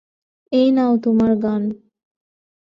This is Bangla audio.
এই নাও তোমার গান।